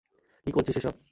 কী করছিস এসব?